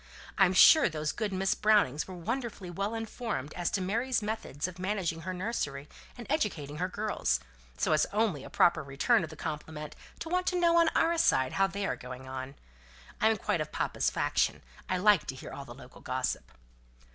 I'm sure those good Miss Brownings were wonderfully well informed as to Mary's methods of managing her nursery, and educating her girls; so it's only a proper return of the compliment to want to know on our side how they are going on. I'm quite of papa's faction. I like to hear all the local gossip."